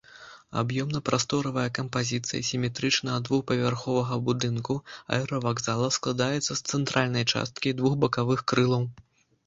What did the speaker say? Аб'ёмна-прасторавая кампазіцыя сіметрычнага двухпавярховага будынку аэравакзала складаецца з цэнтральнай часткі і двух бакавых крылаў.